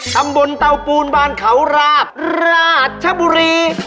ตำบลเตาปูนบานเขาราบราชบุรี